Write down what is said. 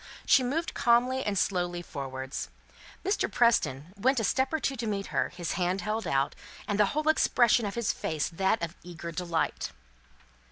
She moved calmly and slowly forwards; Mr. Preston went a step or two to meet her, his hand held out, and the whole expression of his face that of eager delight.